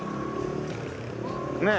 ねえ。